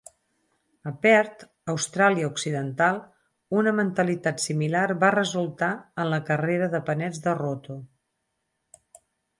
A Perth, Austràlia Occidental, una mentalitat similar va resultar en la "carrera de panets de Rotto".